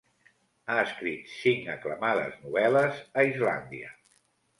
Ha escrit cinc aclamades novel·les a Islàndia.